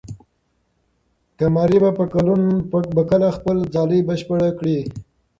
قمري به کله خپله ځالۍ بشپړه کړي؟